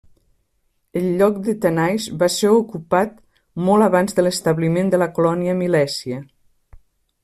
El lloc de Tanais va ser ocupat molt abans de l'establiment de la colònia milèsia.